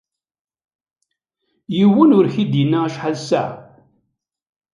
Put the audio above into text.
Yiwen ur k-id-yenna acaḥal ssaɛa.